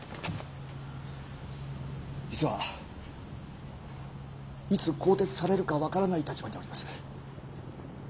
実はいつ更迭されるか分からない立場におります。